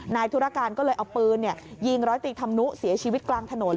ธุรการก็เลยเอาปืนยิงร้อยตีธรรมนุเสียชีวิตกลางถนน